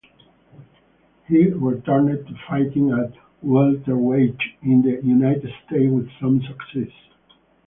He returned to fighting at welterweight in the United States with some success.